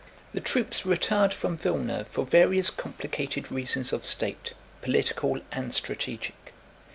The troops retired from Vílna for various complicated reasons of state, political and strategic.